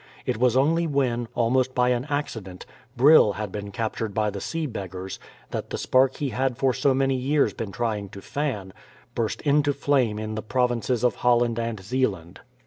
It was only when, almost by an accident, Brill had been captured by the sea beggars, that the spark he had for so many years been trying to fan, burst into flame in the provinces of Holland and Zeeland.